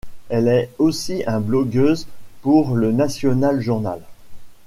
Elle est aussi un blogueuse pour le National Journal.